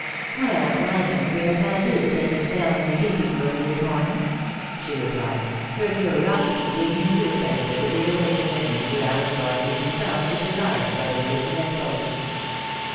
" Well, I don't care if I do take a speU in the keeping room this morning," she repUed ; her curiosity being in truth as vividly awakened as Major AUen Barnaby himself could desire by the words he had spoken.